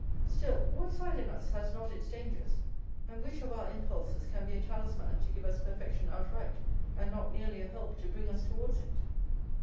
Still, what side in us has not its dangers, and which of our impulses can be a talisman to give us perfection outright, and not merely a help to bring us towards it?